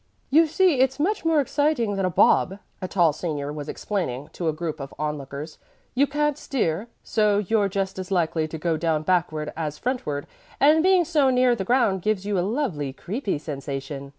"You see it's much more exciting than a 'bob,'" a tall senior was explaining to a group of on lookers. "You can't steer, so you're just as likely to go down backward as frontward; and being so near the ground gives you a lovely creepy sensation."